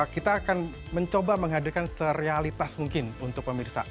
kita akan mencoba menghadirkan serealitas mungkin untuk pemirsa